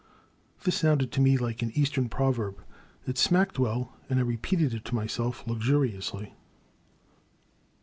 *' This sounded to me like an Eastern proverb. It smacked well, and I repeated it to myself lux uriously.